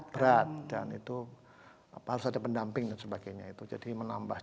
ya berat kan dan itu harus ada pendamping dan sebagainya itu jadi menambah juga